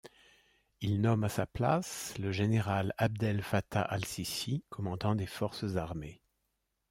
Il nomme à sa place le général Abdel Fattah al-Sissi commandant des Forces armées.